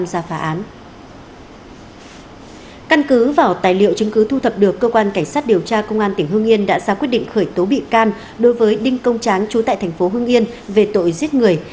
căn cứ vào tài liệu chứng cứ thu thập được cơ quan cảnh sát điều tra công an tỉnh hương yên đã ra quyết định khởi tố bị can đối với đinh công tráng trú tại thành phố hưng yên về tội giết người